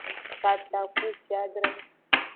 Katakpuciadre.